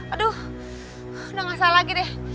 aduh udah gak salah lagi deh